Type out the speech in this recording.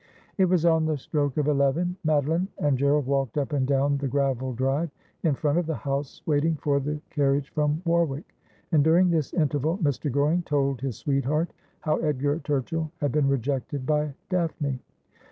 It was on the stroke of eleven. Madeline and Gerald walked up and down the gravel drive in front of the house, waiting for the carriage from Warwick ; and during this interval Mr. Goring told his sweetheart how Edgar Turchill had been rejected by Daphne.